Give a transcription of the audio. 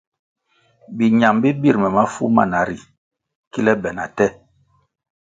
Biñam bi bir me mafu mana ri kile be na te.